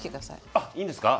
あっいいんですか？